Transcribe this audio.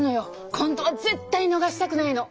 今度は絶対逃したくないの。